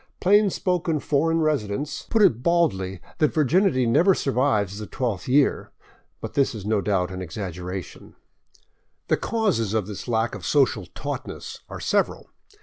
Plain spoken foreign residents 545 VAGABONDING DOWN THE ANDES put it baldly that virginity never survives the twelfth year, but this is no doubt an exaggeration. The causes of this lack of social tautness are several.